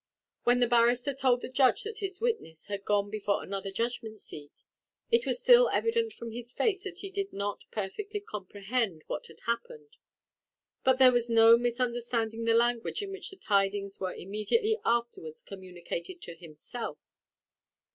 When the barrister told the judge that his witness had gone before another judgment seat, it was still evident from his face that he did not perfectly comprehend what had happened; but there was no misunderstanding the language in which the tidings were immediately afterwards communicated to himself.